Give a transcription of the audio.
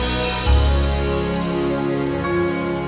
sampai jumpa di aqua mayang